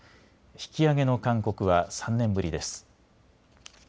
引き上げの勧告は３年ぶりです。